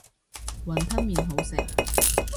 雲吞麵好食